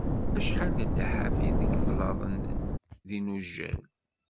Acḥal nedda ḥafi deg iblaḍen d inujal.